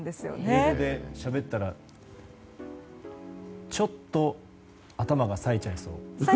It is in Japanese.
英語でしゃべったらちょっと頭がさえちゃいそう。